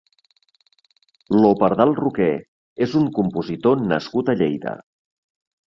Lo pardal roquer és un compositor nascut a Lleida.